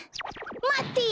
まって！